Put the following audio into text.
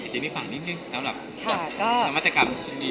แจนี่ฝากนิดนึงสำหรับนวัสดิกรรมสุดยอด